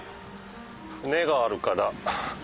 舟があるから。